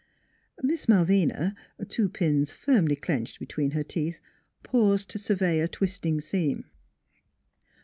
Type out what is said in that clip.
" Miss Malvina, two pins firmly clenched between her teeth, paused to survey a twisting seam.